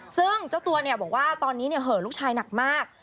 ซึ่งเจ้าตัวบอกว่าตอนนี้เหอะลูกชายหนักมาก